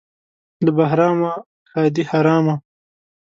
له بهرامه ښادي حرامه.